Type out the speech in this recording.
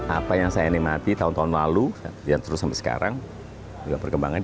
apa yang saya animati tahun tahun lalu dan terus sampai sekarang juga perkembangan